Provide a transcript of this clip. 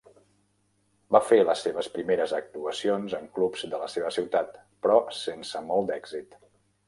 Va fer les seves primeres actuacions en clubs de la seva ciutat, però sense molt d'èxit.